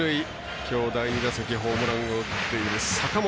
きょう第２打席ホームランを打っている坂本。